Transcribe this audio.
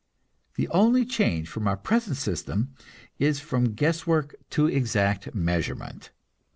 The only change from our present system is from guesswork to exact measurement.